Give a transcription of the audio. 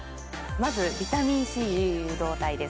まずビタミンＣ誘導体です